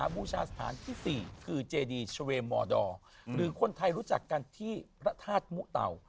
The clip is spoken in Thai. บูชาสถานที่๔คือเจดีชเวมอดอร์หรือคนไทยรู้จักกันที่พระธาตุมุเต่า